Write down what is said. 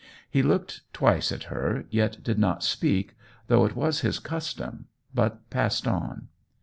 He looked twice at her, yet did not speak, though it was his custom, but passed on.